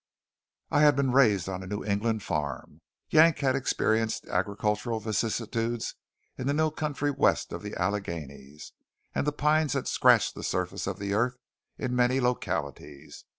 I had been raised on a New England farm; Yank had experienced agricultural vicissitudes in the new country west of the Alleghanies; and the Pines had scratched the surface of the earth in many localities.